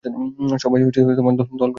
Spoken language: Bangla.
সবাই দল গড়ে জেতার জন্য।